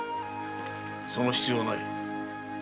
その必要はない。